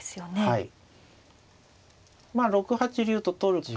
はい。